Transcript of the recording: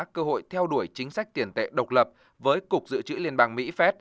cơ hội theo đuổi chính sách tiền tệ độc lập với cục dự trữ liên bang mỹ phép